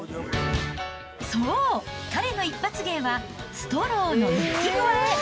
そう、彼の一発芸はストローの一気ぐわえ。